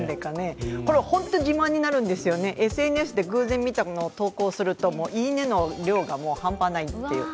本当に自慢になるんですよね、ＳＮＳで偶然見たのを投稿するといいね！の量が半端ないという。